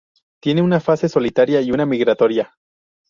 Tienen una fase solitaria y una migratoria.